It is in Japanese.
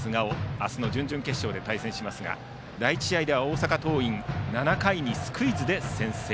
明日の準々決勝で対戦しますが第１試合では大阪桐蔭７回にスクイズで先制。